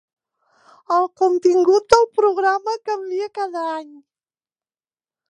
El contingut del programa canvia cada any.